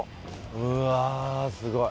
うわあ、すごい。